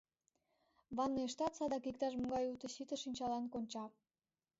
Ванныйыштат садак иктаж-могай уто-сите шинчалан конча...